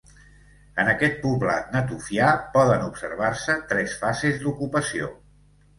En aquest poblat natufià poden observar-se tres fases d'ocupació.